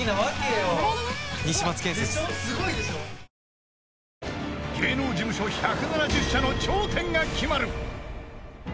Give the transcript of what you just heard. わかるぞ［芸能事務所１７０社の頂点が決まる］